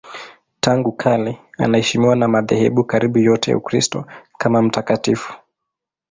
Tangu kale anaheshimiwa na madhehebu karibu yote ya Ukristo kama mtakatifu.